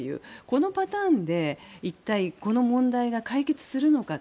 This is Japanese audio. このパターンで一体、この問題が解決するのか。